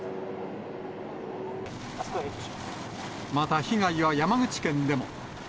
また、被害は山口県でも。